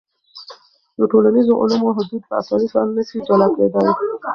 د ټولنیزو علومو حدود په اسانۍ سره نسي جلا کېدای.